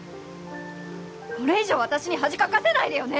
これ以上私に恥かかせないでよね！